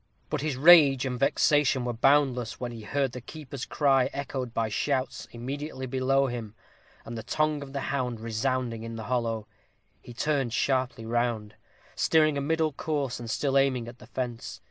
But his rage and vexation were boundless, when he heard the keeper's cry echoed by shouts immediately below him, and the tongue of the hound resounding in the hollow. He turned sharply round, steering a middle course, and still aiming at the fence.